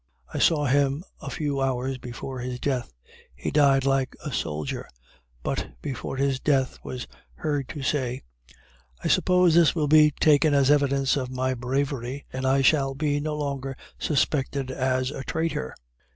I saw him a few hours before his death. He died like a soldier. But before his death, was heard to say "I suppose this will be taken as evidence of my bravery, and I shall be no longer suspected as a traitor."